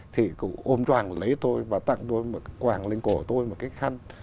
thì cũng ôm toàn lấy tôi và tặng tôi quàng lên cổ tôi một cái khăn